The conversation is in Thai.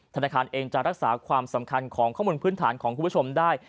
ธนาคารเองจะรักษาความสำคัญของข้อมูลพื้นฐานของคุณผู้ชมได้